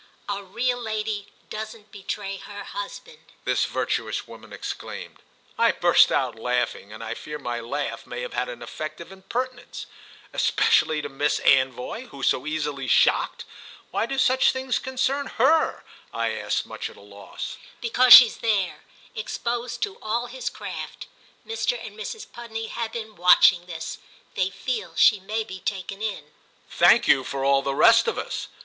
"A real lady doesn't betray her husband!" this virtuous woman exclaimed. I burst out laughing, and I fear my laugh may have had an effect of impertinence. "Especially to Miss Anvoy, who's so easily shocked? Why do such things concern her?" I asked, much at a loss. "Because she's there, exposed to all his craft. Mr. and Mrs. Pudney have been watching this: they feel she may be taken in." "Thank you for all the rest of us!